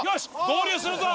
合流するぞ。